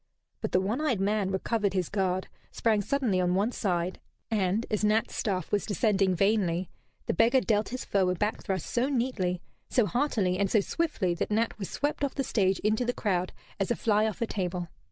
But the one eyed man recovered his guard, sprang suddenly on one side, and, as Nat's staff was descending vainly, the beggar dealt his foe a back thrust so neatly, so heartily, and so swiftly that Nat was swept off the stage into the crowd as a fly off a table.